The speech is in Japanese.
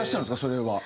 それは。